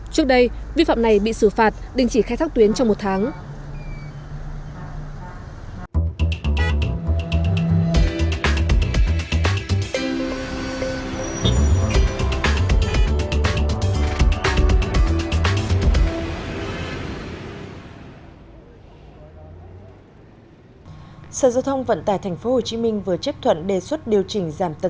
trước đây vi phạm này bị xử phạt đình chỉ khai thác tuyến trong một tháng